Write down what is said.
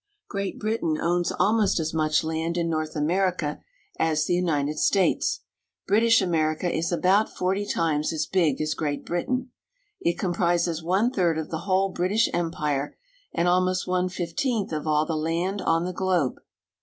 1 Great Britain owns almost as much land in North Amer ica as the United States. British America is about forty times as big as Great Britain. It comprises one third of the whole British empire, and almost one fifteenth of all the land on the globe.